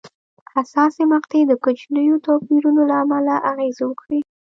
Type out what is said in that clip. حساسې مقطعې د کوچنیو توپیرونو له امله اغېزې وکړې.